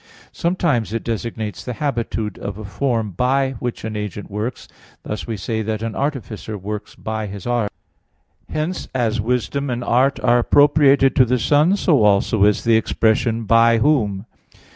Sometimes it designates the habitude of a form "by" which an agent works; thus we say that an artificer works by his art. Hence, as wisdom and art are appropriated to the Son, so also is the expression "by Whom."